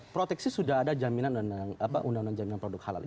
proteksi sudah ada undang undang jaminan produk halal itu